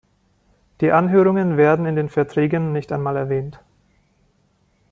Die Anhörungen werden in den Verträgen nicht einmal erwähnt.